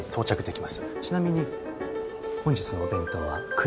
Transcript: ちなみに本日のお弁当はクリパヤのカレーです。